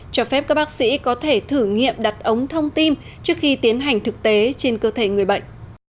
cho phép các bác sĩ có thể thử nghiệm đặt ống thông tin trước khi tiến hành thực tế trên cơ thể người bệnh